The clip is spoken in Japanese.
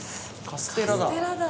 カステラだ。